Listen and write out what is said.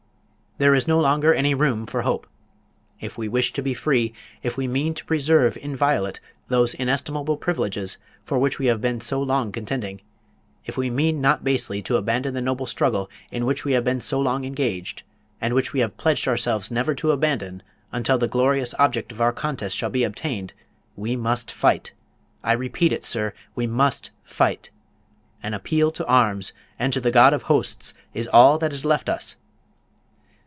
There is no longer any room for hope. If we wish to be free, if we mean to preserve inviolate those inestimable privileges for which we have been so long contending; if we mean not basely to abandon the noble struggle in which we have been so long engaged, and which we have pledged ourselves never to abandon until the glorious object of our contest shall be obtained, we must fight; I repeat it, sir, we must fight! An appeal to arms, and to the God of Hosts, is all that is left us!